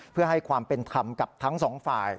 เพื่อให้ความเป็นธรรมกับทั้งสองฝ่าย